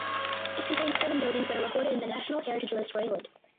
It contains seven buildings that are recorded in the National Heritage List for England.